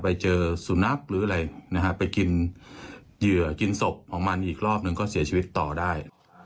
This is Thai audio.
ไปเจอสุนัขหรืออะไรนะฮะไปกินเหยื่อกินศพของมันอีกรอบหนึ่งก็เสียชีวิตต่อได้